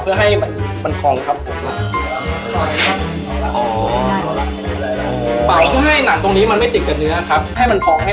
ใช่แล้วก็เดี๋ยวเอาไปย้อมสีเป็นสีส้มครับ